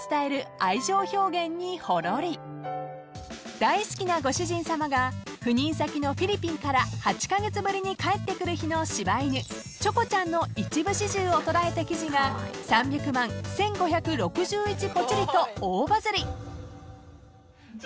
［大好きなご主人さまが赴任先のフィリピンから８カ月ぶりに帰ってくる日の柴犬チョコちゃんの一部始終を捉えた記事が３００万１，５６１ポチりと大バズり］